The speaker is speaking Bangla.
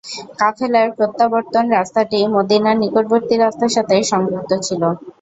কাফেলার প্রত্যাবর্তন রাস্তাটি মদীনার নিকটবর্তী রাস্তার সাথে সংযুক্ত ছিল।